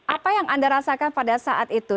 apa yang anda rasakan pada saat itu